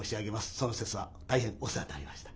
その節は大変お世話になりました。